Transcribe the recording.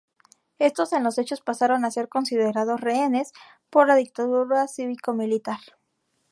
Estos en los hechos pasaron a ser considerados "rehenes" por la dictadura cívico-militar.